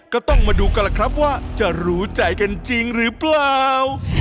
ก็ต้องมาดูกันล่ะครับว่าจะรู้ใจกันจริงหรือเปล่า